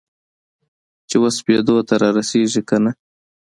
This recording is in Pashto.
چې وسپېدو ته رارسیږې کنه؟